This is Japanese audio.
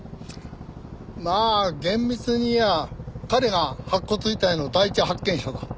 まあ厳密に言やあ彼が白骨遺体の第一発見者だ。